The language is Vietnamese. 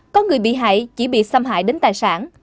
có người bị hại chỉ bị xâm hại đến tài sản